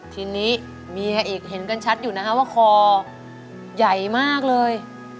ทีนี้เมียอีกเห็นกันชัดอยู่นะคะว่าคอใหญ่มากเลย